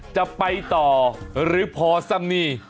จะไปต่อหรือพอซ้ำนี่